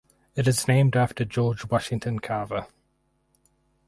It is named after George Washington Carver.